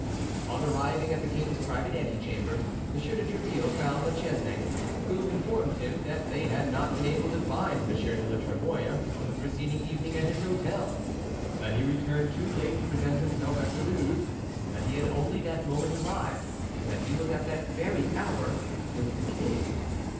On arriving at the king's private antechamber, M. de Tréville found La Chesnaye, who informed him that they had not been able to find M. de la Trémouille on the preceding evening at his hôtel, that he returned too late to present himself at the Louvre, that he had only that moment arrived and that he was at that very hour with the king.